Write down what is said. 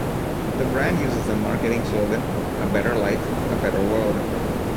The brand uses the marketing slogan "A Better Life, A Better World".